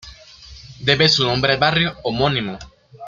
Debe su nombre al barrio homónimo.